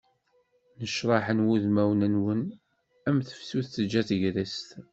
Necraḥen wudmawen-nwen, am tefsut teǧǧa tegrest.